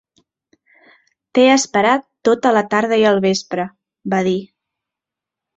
"T'he esperat tota la tarda i el vespre", va dir.